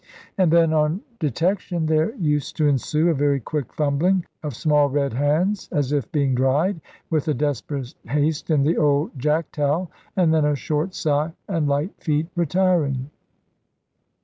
And then, on detection, there used to ensue a very quick fumbling of small red hands, as if being dried with a desperate haste in the old jack towel; and then a short sigh, and light feet retiring.